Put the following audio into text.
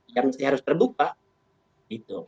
yang harus terbuka gitu